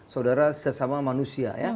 saudara sesama manusia